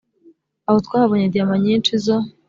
Aho twahabonye diyama nyinshi zo